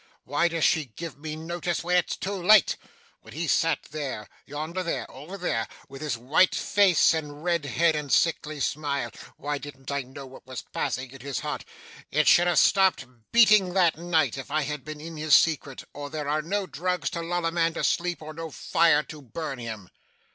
Why does she give me notice when it's too late? When he sat there, yonder there, over there, with his white face, and red head, and sickly smile, why didn't I know what was passing in his heart? It should have stopped beating, that night, if I had been in his secret, or there are no drugs to lull a man to sleep, or no fire to burn him!